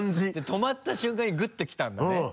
止まった瞬間にグッときたんだねうん。